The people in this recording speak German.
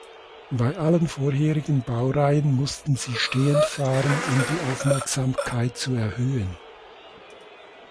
Bei allen vorherigen Baureihen mussten sie stehend fahren, um die Aufmerksamkeit zu erhöhen.